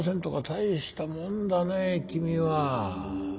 大したもんだね君は。